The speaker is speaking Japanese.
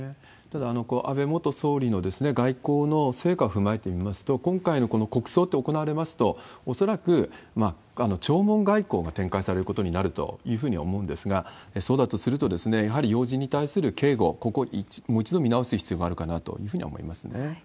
ただ、安倍元総理の外交の成果を踏まえて見ますと、今回のこの国葬って行われますと、恐らく弔問外交が展開されることになるというふうに思うんですが、そうだとすると、やはり要人に対する警護、ここ、もう一度見直す必要があるかなというふうには思いますね。